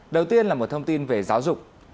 đầu tiên là một thông tin về giáo dục